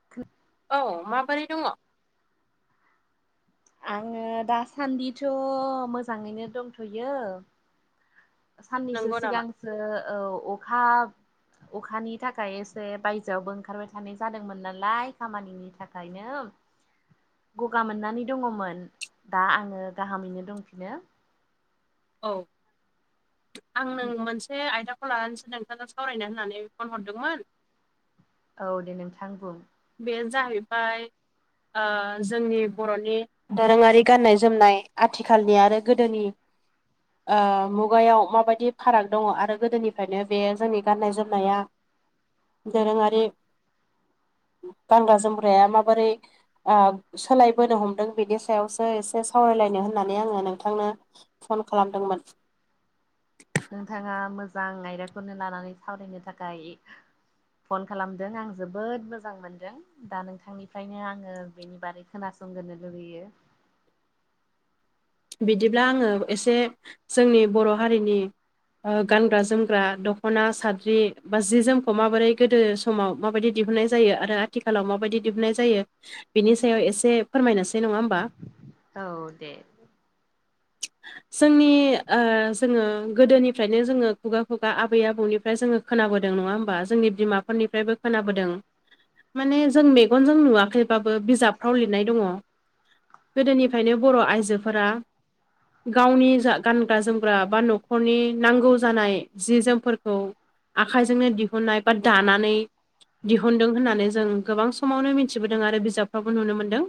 [inaudible] औ माबोरै दङ आङो दासान्दिथ' मोजाङैनो दंथ'यो साननैसो नंगौ नामा सिगांसो औ अखा अखानि थाखाय एसे बायजोआवबो ओंखारबाय थानाय जादोंमोन नालाय खामानिनि थाखायनो गगा मोननानै दङमोन दा आङो गाहामैनो दंफिनो औ आं नों मोनसे आयदा खौ लानोसो नोंथांजों सावरायनो होननानै फन हरदोंमोन औ दे नोंथां बुं बे जाहैबाय जोंनि बर'नि दोरोङारि गाननाय जोमनाय आथिखालनि आरो गोदोनि मुगायाव माबायदि फाराग दङ आरो गोदोनिफ्रायनो बे जोंनि गाननाय जोमनाया [inaudible] दोरोङारि गानग्रा जोमग्राया माबोरै ओ सोलायबोनो हमदों बिनि सायावसो एसे सावरायलायनो होननानै आंङो नोंथांनो फन खालामदोंमोन नोंथांङा मोजां आयदाखौनो लानानै सावरायनो थाखाय फन खालामदों आं जोबोद मोजां मोनदों दा नोंथांनिफ्रायनो आंङो बेनि बारै खोनासंगोलनो लुुबैयो बिदिब्ला आङो एसे जोंनि बर' हारिनि गानग्रा जोमग्रा दख'ना साद्रि बा जि जोमखौ माबोरै गोदो समाव माबायदि दिहुननाय जायो आरो आथिखालाव माबायदि दिहुननाय जायो बिनि सायाव एसे फोरमायनोसै नङा होमबा औ दे [inaudible] जोंनि जोंङो गोदोनिफ्रायनो जोंङो खुगा खुगा आबै आबौनि फ्राय जोंङो खोनाबोदों नङा होमबा जोंनि बिमाफोरनिफ्रायबो खोनाबोदों माने जों मेगनजों नुवाखैबाबो बिजाबफ्राव लिरनाय दङ गोदोनिफ्रायनो बर' आइजोफोरा गावनि जा गानग्रा जोमग्रा बा न'खरनि नांगौ जानाय जि जोमफोरखौ आखाइजोंनो दिहुननाय बा दानानै दिहुनदों होननानै जों गोबां समावनो मिथिबोदों आरो बिजाबफ्रावबो नुनो मोनदों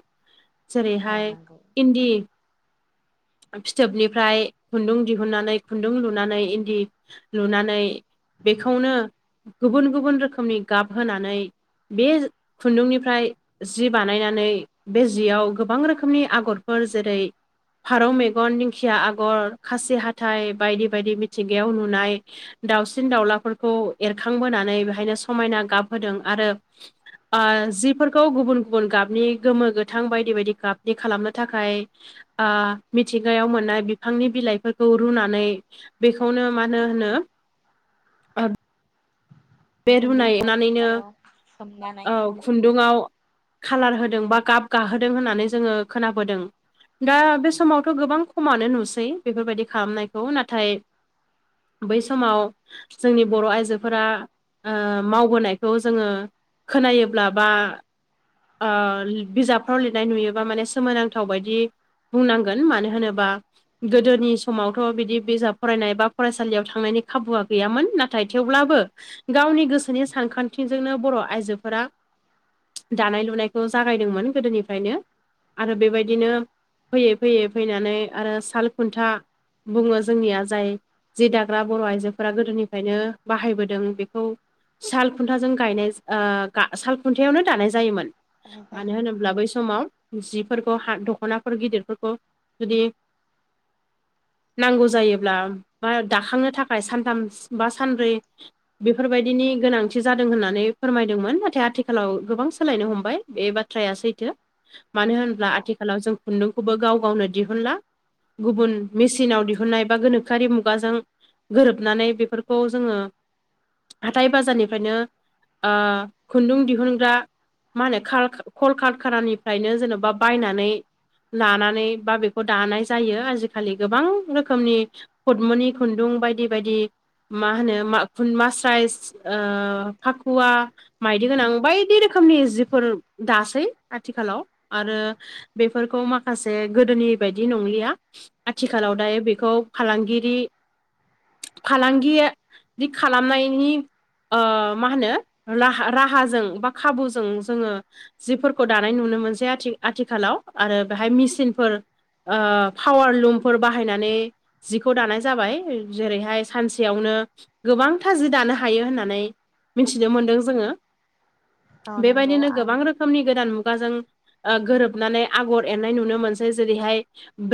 औ जेरैहाय नंगौ इन्दि फिथोबनिफ्राय खुन्दुं दिहुननानै खुन्दुं लुनानै इन्दि लुनानै बेखौनो गुबुन गुबुन रोखोमनि गाब होनानै बे खुन्दुंनिफ्राय जि बानायनानै बे जियाव गोबां रोखोमनि आगरफोर जेरै फारौ मेगन दिंखिया आगर खासि हाथाइ बायदि बायदि मिथिंगायाव नुनाय दाउसिन दाउलाफोरखौ एरखांबोनानै बेहायनो समायना गाबहोदों आरो जिफोरखौ गुबुन गुबुन गाबनि गोमो गोथां बायदि बायदि गाबनि खालामनो थाखाय मिथिंगायाव मोननाय बिफांनि बिलाइफोरखौ रुनानै बेखौनो मानो होनो बे खुन्दुंखौ रुनायनानैनो औ सोमनानै खुन्दुआव खालार होदों बा गाब गाहोदों होननानै जोंङो खोनाबोदों। दा बे समावथ' गोबां खमानो नुसै बेफोरबायदि खालामनायखौ नाथाय बै समाव जोंनि बर' आइजोफोरा ओ मावबोनायखौ जोंङो खोनायोब्ला बा ओ बिजाब फाव लिरनाय नुयोबा माने सोमोनांथाव बायदि बुंनांगोन मानो होनोबा गोदोनि समावथ' बिदि बिजाब फरायनाय बा फरायसालियाव थांनायनि खाबुआ गैयामोन नाथाय थेवब्लाबो गावनि गोसोनि सानखान्थिजोंनो बर' आइजोफोरा दानाय लुनायखौ जागायदोंमोन गोदोनिफ्रायनो। आरो बेबायदिनो फैयै फैयै फैनानै आरो साल खुन्था बुंङो जोंनिया जाय जि दाग्रा बर' आइजोफोरा गोदोनिफ्रायनो बाहायबोदों बेखौ साल खुन्थाजों गायनाय साल खुन्थायावनो दानाय जायोमोन। मानो होनोब्ला बै समाव जिफोरखौ हा दख'नाफोर गिदिरफोरखौ जुदि नांगौ जायोब्ला बा दाखांनो थाखाय सानथाम बा सानब्रै बेफोरबायदिनि गोनांथि जादों होननानै फोरमायदोंमोन नाथाय आथिखालाव गोबां सोलायनो हमबाय बे बाथ्राया सैथो मानो औ होनब्ला आथिखाल आथिखालाव जों खुन्दुंखौबो गाव गावनो दिहुनला। गुबुन मेसिनाव दिहुननाय बा गोनोखोआरि मुगाजों गोरोबनानै बेफोरखौ जोङो हाथाय बाजारनिफ्रायनो ओ खुन्दुं दिहुनग्रा मा होनो कल कारखानानिफ्रायनो जेन'बा बायनानै लानानै बा बेखौ दानाय जायो आजिखालि गोबां रोखोमनि पदमिनि खुन्दुं बायदि बायदि मा होनो खुन मास्राइस फाखुवा माइदि गोनां बायदि रोखोम रोखोमनि जिफोर दासै आथिखालाव आरो बेफोरखौ माखासे गोदोनि बायदि नंलिया। आथिखालाव दायो बेखौ फालांगिरि फालांगि खालामनायनि मा होनो राहाजों बा खाबुजों जोङो जिफोरखौ दानाय नुनो मोनसै आथिखालाव आरो बेहाय मेसिनफोर ओ पावार लुमफोर बाहायनानै जिखौ दानाय जाबाय जेरैहाय सानसेयावनो गोबां थाजि दानो हायो होननानै मिथिनो मोनदों जोङो। औ नंगौ बेबायदिनो आं गोबां रोखोमनि गोदान मुगाजों गोरोबनानै आगर एरनाय नुनो मोनसै जेरैहाय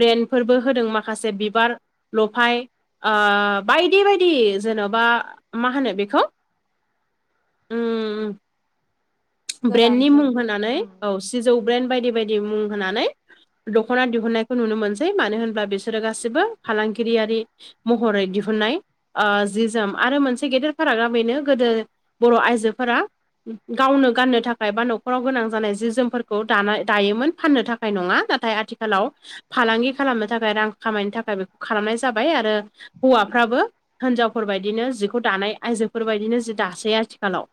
ब्रेन्डफोरबो होदों माखासे बिबार लफाय ओ बायदि बायदि जेन'बा मा होनो बेखौ? उम उम ब्रेन्डनि मुं होनानै उम औ सिजौ ब्रेन्ड बायदि बायदि मुं होनानै दख'ना दिहुननायखौ नुनो मोनसै मानो होनब्ला बिसोरो गासिबो फालांगिरियारि महरै दिहुननाय ओ जि जोम आरो मोनसे गेदेर फारागा बेनो गोदो बर' आइजोफोरा गावनो गाननो थाखाय बा न'खराव गोनां जानाय जि जोमफोरखौ दा दायोमोन फाननो थाखाय नङा नाथाय आथिखाल आथिखालाव फालांगि खालामनो थाखाय रां खामायनो थाखाय बेखौ खालामनाय जाबाय आरो हौवाफ्राबो हिनजावफोरबायदिनो जिखौ दानाय आइजोफोरबायदिनो जि दासै आथिखालाव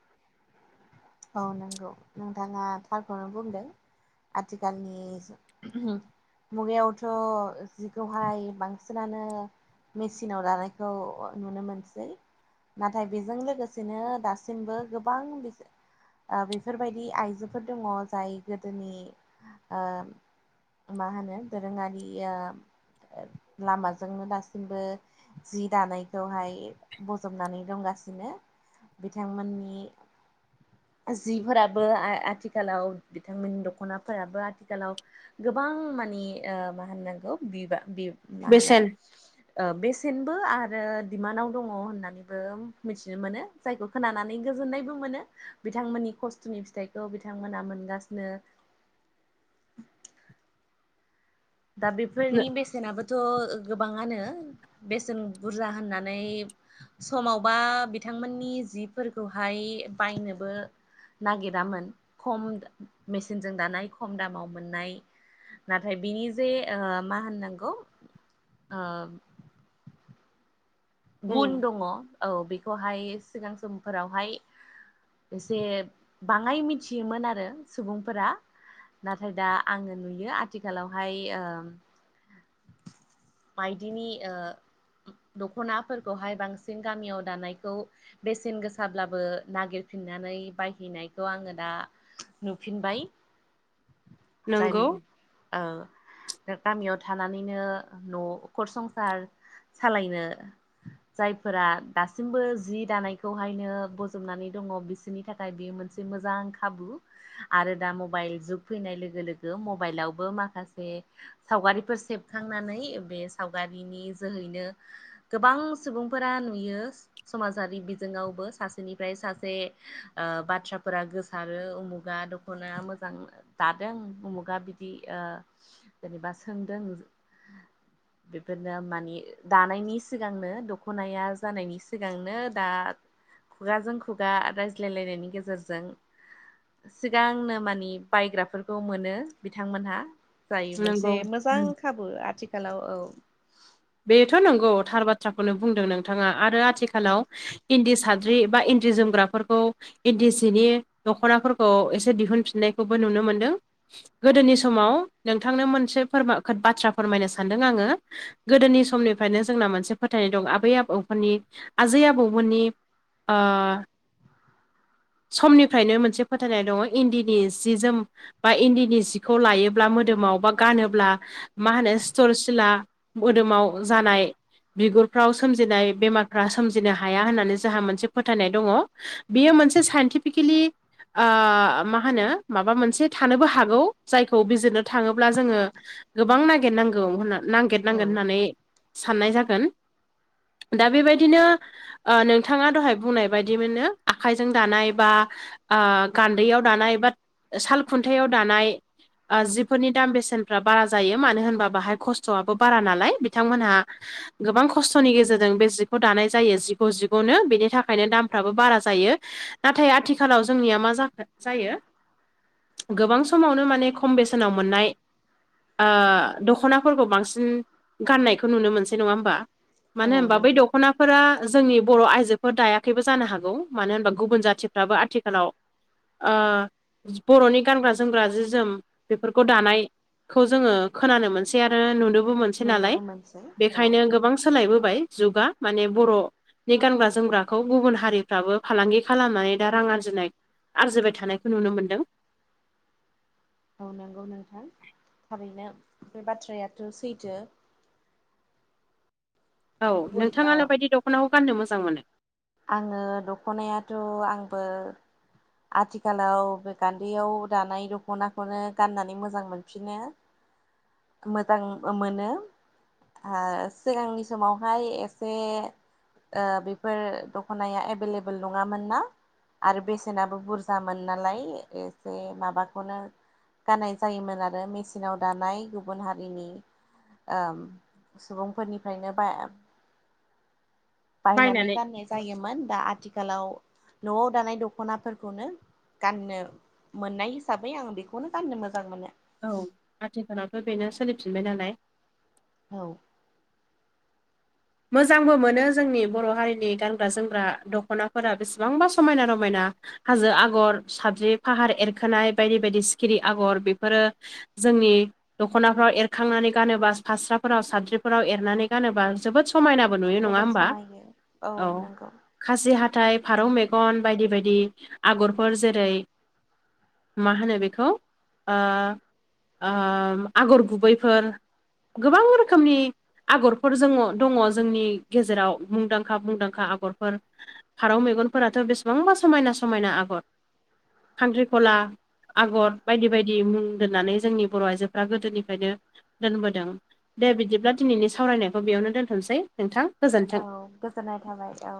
औ नंगौ नोंथाङा थारखौनो बुंदों आथिखालनि मुगायावथ' जिखौहाय बांसिनानो मेसिनाव लानायखौ नुनो मोनसै। नाथाय बेजों लोगोसेनो दासिमबो गोबां बिजों बेफोरबादि आइजोफोर दङ जाय गोदोनि मा होनो दोरोङारि लामाजोंनो दासिमबो। जि दानायखौहाय बजबनानै दंगासिनो बिथांमोननि जिफोराबो आथिखालाव बिथांमोननि दख'नाफोराबो आथिखालाव गोबां मानि मा होननांगौ बि बा मा होनो बेसेन बेसेनबो आरो दिडिमान्डआव दङ होननानैबो मिथिनो मोनो। फिथायखौ खोनानानै गोजोननायबो मोनो बिथांमोननि खस्थ'नि फिथाइखौ बिथांमोना मोनगासिनो दा बेफोरनि बेसेनाबो थ' गोबाङानो बेसेन बुरजा होननानै। समावबा बिथांमोननि जिफोरखौहाय बायनोबो नागिरामोन खम मेचनजों दानाय खम दामाव मोननाय नाथाय बिनि जे मा होननांगौ ओ गुन दङ औ बेखौहाय सिगां समफोरावहाय ओ एसे बाङाय मिथियोमोन आरो सुबुंफोरा नाथाय दा आङो नुयो आथिखालावहाय ओ माइदिनि ओ खनाफोरखौहाय बांसिन गामियाव दानायखौ बेसेन गोसाब्लाबो नागिरफिननानै बायहैनायखौ आङो दा नुफिनबाय जाय नोंगौ गामियाव थानानैनो न'खर संसार सालायनो जायफोरा दासिमबो जि दानायखौहायनो बजबनानै दङ बिसोरो बिनि थाखाय बेयो मोनसे मोजां खाबु आरो दा मबाइल जुग फैनाय लोगो लोगो मबाइलावबो माखासे सावगारिफोर सेबखांनानै बे सावगारिनि जोहैनो गोबां सुबुंफोरा नुयो समाजारि बिजोङावबो सासेनिफ्राय सासे बाथ्राफोरा गोसारो उमुगा दखनाया मोजां दादों उमुगा बिदिनि जेनेबा सोंदों बेफोरनो माने दानायनि सि सिगांनो दख'नाया जानायनि सिगांनो दा खुगाजों खुगा रायज्लायलायनायनि गेजेरजों सिगांनो मानि बायग्राफोरखौ मोनो बिथांमोनहा जायो मोनसे नोंगौ मोजां उम खाबु आथिखालाव औ बेथ' नंगौ थार बाथ्राखौनो बुंदों नोंथाङा आरो आथिखालाव। इन्दि साद्रि एबा इन्दि जोमग्राफोरखौ ओ‌ इन्दि सिनि दख'नाफोरखौ एसे दिहुनफिननायखौबो नुनो मोनदों गोदोनि समाव नोंथांनो मोनसे फोरमा बाथ्रा फोरमायनो सानदों आङो। गोदोनि समनिफ्रायनो जोंना मोनसे फोथायनाय दं आबै आबौफोरनि आजै आबौमोननि ओ समनिफ्रायनो मोनसे फोथायनाय दङ इन्दिनि जि जोम बा इन्दिनि सिखौ लायोब्ला मोदोमाव बा गानोब्ला मा होनो सिथर सिला ओ मोदोमाव जानाय बिगुरफ्राव सोमजिनाय बेमारफ्रा सोमजिनो हाया होननानै जोंहा मोनसे फोथायनाय दङ। बियो मोनसे साइन्टिफिकेलि मा होनो माबा मोनसे थानोबो हागौ जायखौ बिजिरनो थाङोब्ला जोङो। गोबां नागिरनांगौ होन औ नागिरनांगोन होननानै साननाय जागोन। दा बेबादिनो नोंथाङा दहाय बुंनाय बायदि मोनो आखाइजों दानाय बा ओ गान्दैयाव दानाय बाट साल खुन्थायाव दानाय ओ जिफोरनि दाम बेसेनफ्रा बारा जायो मानो होनबा बाहाय खस्थ'आबो बारा नालाय बिथांमोनहा गोबां खस्थ'नि गेजेरजों बे जिखौ दानाय जायो जिग' जिग'नो बेनि थाखायनो दामफ्राबो बारा जायो। नाथाय आथिखालाव जोंनिया मा जाखो जायो गोबां समावनो माने खम बेसेनाव मोननाय ओ दख'नाफोरखौ बांसिन उम गाननायखौ नुनो मोनसै नङा ओमबा मानो औ होमबा बै नंगौ दखना फोरा जोंनि बर' आइजोफोर दायाखैबो जानो हागौ मानो होमबा गुबुन जाथिफ्राबो आथिखालाव ओ बर'नि गानग्रा जोमग्रा जि जोम बेफोरखौ दानाय खौ जोङो खोनानो मोनसै आरो नुनोबो मोनसै नालाय नुनोबो मोनसै औ बेखायनो गोबां सोलायबोबाय जुगा माने बर' नि गानग्रा जोमग्राखौ गुबुन हारिफ्राबो फालांगि खालामनानै दा रां आरजिनाय आरजिबाय थानायखौ नुनो मोन्दों। औ नंगौ नोंथां थारैनो बे बाथ्रायाथ' सैथो। औ गुबुन ओ नोंथाङालाय मा बायदि दखनाखौ गाननो मोजां मोनो? आङो दखनायाथ' आंबो आथिखालाव बे गान्दैयाव दानाय दखनाखौनो गाननानै मोजां मोनफिनो। मोजां ओ मोनो। ओ सिगांनि समावहाय एसे ओ बेफोर दखनाया एभेलेबेल नङामोन ना आरो बे सेनाबो बुरजामोन नालाय एसे माबाखौनो गाननाय जायोमोन आरो मेचिनाव दानाय गुबुन हारिनि ओम सुबुंफोरनिफ्रायनो बा बायनानै गाननाय जायोमोन दा आथिखालाव न'वाव दानाय द दखनाफोरखौनो गाननो मोननाय हिसाबै आं बेखौनो गाननो मोजां मोनो। औ आथिखालावथ' बेनो सोलि फिनबाय नालाय औ मोजांबो मोनो जोंनि बर' हारिनि गानग्रा जोमग्रा दखना फोरा बेसेबांबा समायना रमायना। हाजो आगर साबजद्रि फाहार एरखोनाय बायदि बायदि सिखिरि आगर बेफोरो जोंनि दखनाफ्राव एरखांनानै गानोबा फास्राफोराव साद्रिफोराव एरनानै गानोबा जोबोद समायनाबो नुयो नङा जोबोद होमबा समायो औ। नंगौ खासि हाथाय फारौ मेगन बायदि बायदि आगरफोर जेरै मा होनो बेखौ ओ ओ आगर गुबैफोर गोबां रोखोमनि आगरफोर जोङो दङ जोंनि गेजेराव मुंदांखा मुंदांखा आगरफोर। फारौ मेगनफोराथ' बेसेबांबा समायना समायना आगर खांख्रिखला आगर बायदि बायदि मुं दोननानै जोंनि बर' आइजोफ्रा गोदोनिफ्रायनो दोनबोदों। दे बिदिब्ला दिनैनि सावरायनायखौ बेयावनो दोनथ'सै नोंथां। गोजोन्थों औ गोजोननाय थाबाय औ